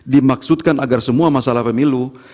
dimaksudkan agar semua masalah pemilu